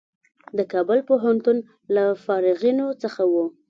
د کابل پوهنتون له فارغینو څخه و.